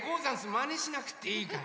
まねしなくていいから。